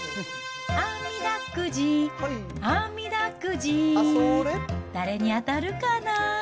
あみだくじ、あみだくじ、誰に当たるかな？